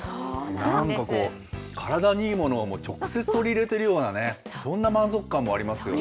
なんかこう、体にいいものを直接取り入れてるようなね、そんな満足感もありますよね。